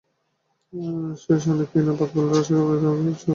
সেই সানেই কি না বাদ পড়লেন রাশিয়াগামী জার্মানি বিশ্বকাপ দল থেকে।